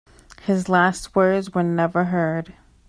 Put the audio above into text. His last words were never heard.